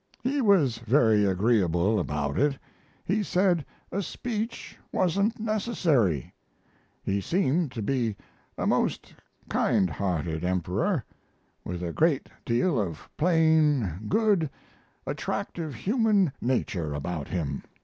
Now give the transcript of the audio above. He was very agreeable about it. He said a speech wasn't necessary. He seemed to be a most kind hearted emperor, with a great deal of plain, good, attractive human nature about him.